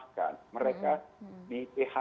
kemudian mereka di rumahkan